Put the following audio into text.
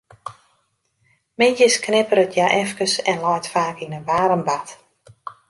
Middeis knipperet hja efkes en leit faak yn in waarm bad.